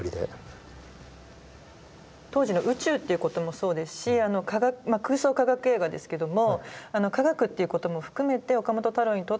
当時の宇宙っていうこともそうですしまあ空想科学映画ですけども科学っていうことも含めて岡本太郎にとってはやっぱり前衛ですね。